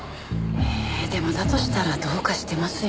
えでもだとしたらどうかしてますよ。